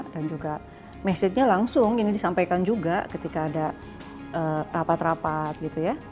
dan juga message nya langsung ini disampaikan juga ketika ada rapat rapat gitu ya